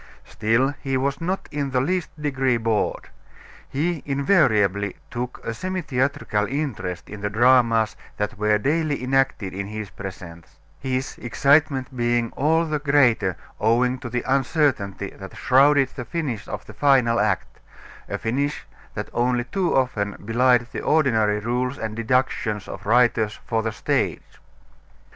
Still, he was not in the least degree bored. He invariably took a semi theatrical interest in the dramas that were daily enacted in his presence; his excitement being all the greater owing to the uncertainty that shrouded the finish of the final act a finish that only too often belied the ordinary rules and deductions of writers for the stage.